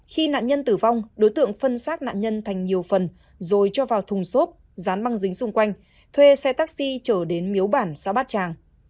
khi nạn nhân tử vong đối tượng phân xác nạn nhân thành nhiều phần rồi cho vào thùng xốp dán băng dính xung quanh thuê xe taxi trở đến miếu bản sao bát tràng